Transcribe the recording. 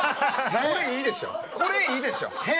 これいいでしょ！